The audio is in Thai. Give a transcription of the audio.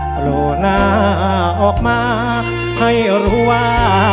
โผล่หน้าออกมาให้รู้ว่า